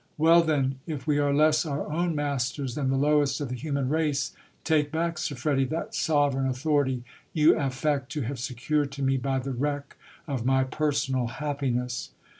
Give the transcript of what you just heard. Well then! if we are less our own masters than the lowest of the human race, take back, Siffredi, that sovereign authority you affect to have secured to me by the wreck of my personal happiness.